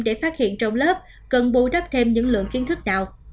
để phát hiện trong lớp cần bù đắp thêm những lượng kiến thức nào